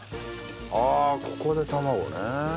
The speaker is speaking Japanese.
ああここで卵ね。